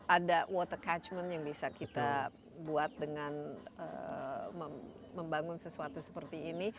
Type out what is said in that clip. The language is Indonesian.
ada water catchment yang bisa kita buat dengan membangun sesuatu seperti ini